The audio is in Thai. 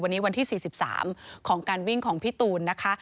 วันนี้วันที่๔๓ของการวิ่งของพี่ตูนนะคะ